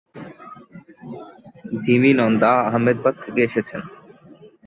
Jimmy Nanda Ahmedabad থেকে এসেছেন।